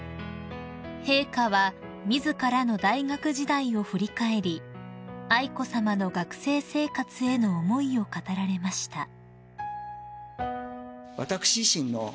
［陛下は自らの大学時代を振り返り愛子さまの学生生活への思いを語られました］